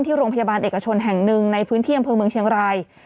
โรงพยาบาลเอกชนแห่งหนึ่งในพื้นที่อำเภอเมืองเชียงราย